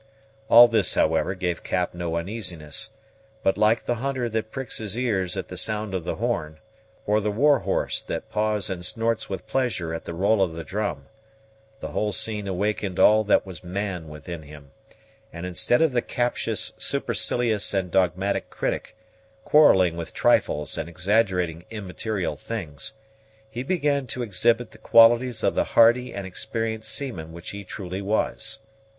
All this, however, gave Cap no uneasiness; but, like the hunter that pricks his ears at the sound of the horn, or the war horse that paws and snorts with pleasure at the roll of the drum, the whole scene awakened all that was man within him; and instead of the captious, supercilious, and dogmatic critic, quarrelling with trifles and exaggerating immaterial things, he began to exhibit the qualities of the hardy and experienced seaman which he truly was.